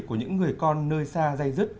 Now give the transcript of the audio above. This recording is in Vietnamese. của những người con nơi xa dây dứt